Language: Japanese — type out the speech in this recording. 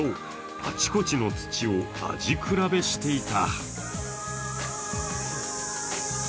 あちこちの土を味比べしていた。